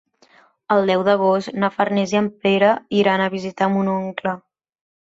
El deu d'agost na Farners i en Pere iran a visitar mon oncle.